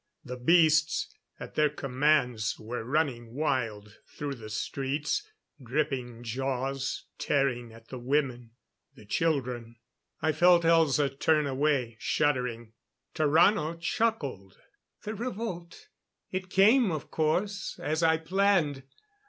The beasts, at their commands, were running wild through the streets ... dripping jaws, tearing at the women ... the children.... I felt Elza turn away, shuddering. Tarrano chuckled. "The revolt. It came, of course, as I planned.